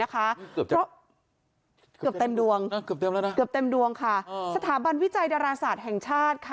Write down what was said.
เกือบเต็มดวงสถาบันวิจัยดราศาสตร์แห่งชาติ